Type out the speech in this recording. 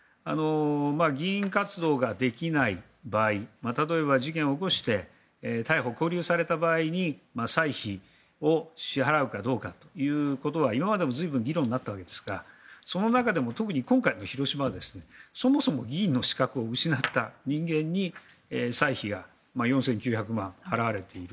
議員活動ができない場合例えば事件を起こして逮捕・勾留された場合に歳費を支払うかどうかということは今までも随分、議論になったわけですがその中でも特に今回の広島はそもそも議員の資格を失った人間に歳費が４９００万円払われている。